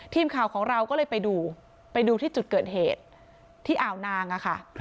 ทีมข่าวของเราก็เลยไปดูไปดูที่จุดเกิดเหตุที่อ่าวนางอะค่ะ